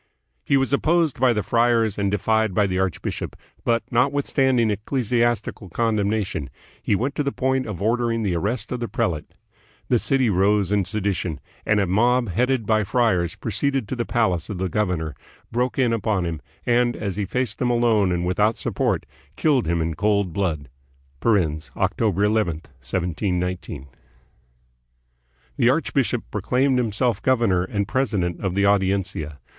He was opposed by the friars and defied by the archbishop, but, notwithstanding ecclesiastical con demnation, he went to the point of ordering the arrest of the prelate. The city rose in sedition, and a mob, headed by friars, proceeded to the palace of the governor, broke in upon him, and, as he faced them alone and without support, killed him in cold blood (October 11, 1719). The archbishop proclaimed himself governor and presi dent of the Audiencia.